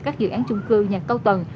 các dự án trung cư nhà cao tầng